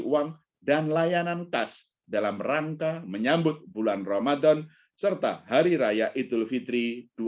uang dan layanan khas dalam rangka menyambut bulan ramadan serta hari raya idul fitri